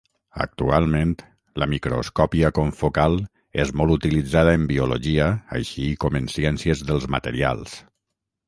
Actualment, la microscòpia confocal és molt utilitzada en biologia així com en ciències dels materials.